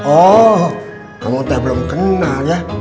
oh kamu udah belum kenal ya